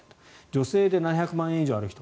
女性で７００万円以上ある人